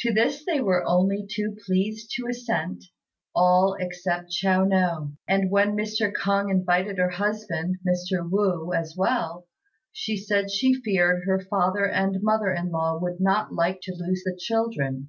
To this they were only too pleased to assent all except Chiao no; and when Mr. K'ung invited her husband, Mr. Wu, as well, she said she feared her father and mother in law would not like to lose the children.